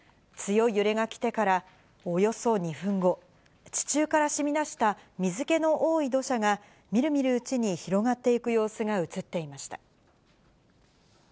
強い揺れが来てからおよそ２分後、地中からしみ出した水気の多い土砂が、みるみるうちに広がっていく様子が写っていました。